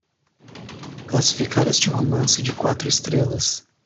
classificar este romance de quatro estrelas